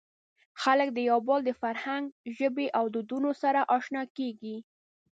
خلک د یو بل د فرهنګ، ژبې او دودونو سره اشنا کېږي.